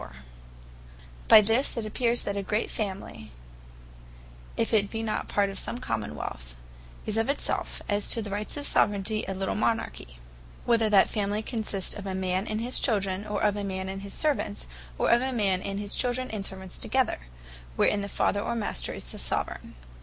Difference Between A Family And A Kingdom By this it appears, that a great Family if it be not part of some Common wealth, is of it self, as to the Rights of Soveraignty, a little Monarchy; whether that Family consist of a man and his children; or of a man and his servants; or of a man, and his children, and servants together: wherein the Father of Master is the Soveraign.